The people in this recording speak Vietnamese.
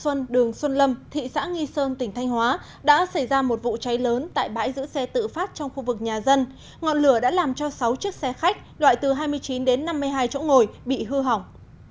xuân đường xuân lâm thị xã nghi sơn tỉnh thanh hóa đã xảy ra một vụ cháy lớn tại bãi giữ xe tự phát trong khu vực nhà dân ngọn lửa đã làm cho sáu chiếc xe khách loại từ hai mươi chín đến năm mươi hai chỗ ngồi bị hư hỏng